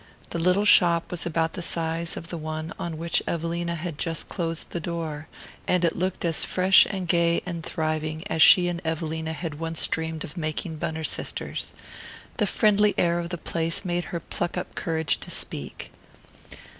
The little shop was about the size of the one on which Ann Eliza had just closed the door; and it looked as fresh and gay and thriving as she and Evelina had once dreamed of making Bunner Sisters. The friendly air of the place made her pluck up courage to speak.